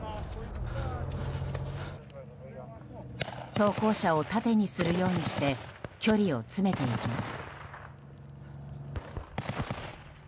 装甲車を盾にするようにして距離を詰めていきます。